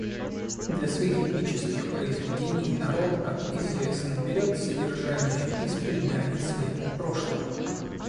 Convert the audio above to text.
Для своих эпических произведений народ, как известно, берет содержание из преданий своего прошлого.